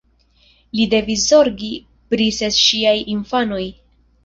Li devis zorgi pri ses ŝiaj infanoj.